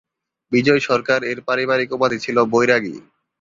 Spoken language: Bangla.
বিজয় সরকার-এর পারিবারিক উপাধি ছিল বৈরাগী।